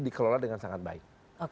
dikelola dengan sangat baik